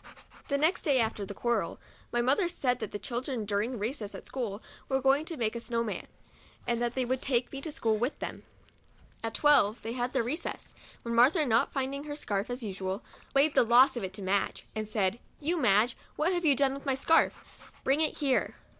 The next day after the quarrel, my mother said that the children, during recess at school, were going to make a " snow man," and that they would take me to school with them. At twelve they had their recess, when Martha, not finding her scarf as usual, laid the loss of it to Madge, and said, " You, Madge, what have you done with my scarf? bring it here."